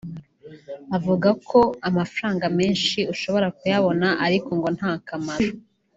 Avuga ko amafaranga menshi ushobora kuyabona ariko ngo nta kamaro